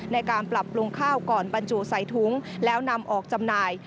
ในการปรับปรุงข้าวก่อนบรรจุใส่ถุงแล้วนำออกจำหน่าย